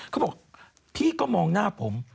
เขาบอกพี่ก็มองหน้าผม